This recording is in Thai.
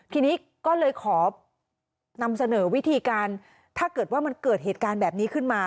ทีนี้ก็เลยขอนำเสนอวิธีการถ้าเกิดว่ามันเกิดเหตุการณ์แบบนี้ขึ้นมา